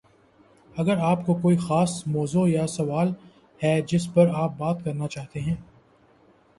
اگر آپ کو کوئی خاص موضوع یا سوال ہے جس پر آپ بات کرنا چاہتے ہیں